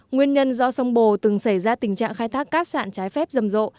nguyên nhân do sông bồ từng xảy ra tình trạng khai thác cát sạn trái phép rầm rộ